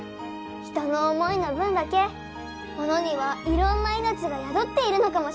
人の思いの分だけものにはいろんないのちがやどっているのかもしれないね。